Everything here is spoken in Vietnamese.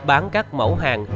bán các mẫu hàng